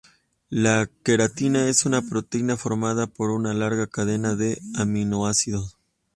La queratina es una proteína formada por una larga cadena de aminoácidos.